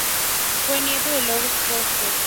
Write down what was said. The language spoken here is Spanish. Fue nieto de Louis Pasteur.